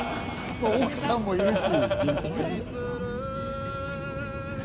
奥さんもいるし。